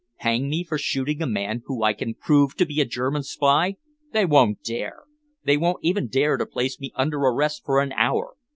"Hang me for shooting a man whom I can prove to be a German spy? They won't dare! They won't even dare to place me under arrest for an hour.